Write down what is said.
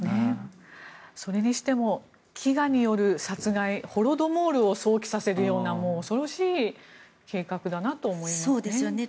それにしても飢餓による殺害、ホロドモールを想起させるような恐ろしい計画だなと思いますね。